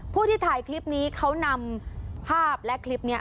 ผู้ที่ถ่ายคลิปนี้เขานำภาพและคลิปนี้